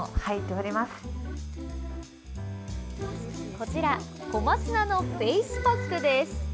こちら小松菜のフェイスパックです。